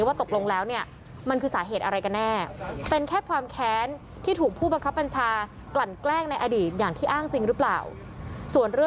ว่าตกลงแล้วเนี่ยมันคือสาเหตุอะไรกันแน่